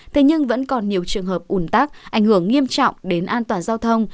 thế nhưng vẫn còn nhiều trường hợp ủn tắc ảnh hưởng nghiêm trọng đến an toàn giao thông